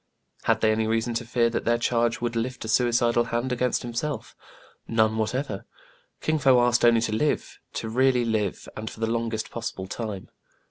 Had they any reason to fear that their charge would lift a suicidal hand against himself.'* None what ever. Kin Fo asked only to live, to really live, and for the longest possible time.